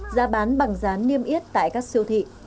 giá bán bằng giá niêm yết tại các siêu thị